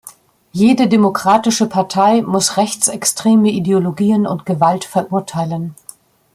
Jede demokratische Partei muss rechtsextreme Ideologien und Gewalt verurteilen.